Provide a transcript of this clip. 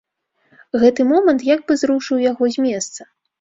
Гэты момант як бы зрушыў яго з месца.